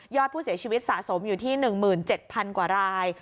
อดผู้เสียชีวิตสะสมอยู่ที่๑๗๐๐กว่าราย